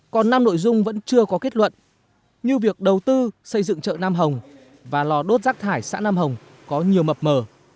còn năm nội dung vẫn chưa có kết luận như việc đầu tư xây dựng chợ nam hồng và lò đốt rác thải xã nam hồng có nhiều mập mở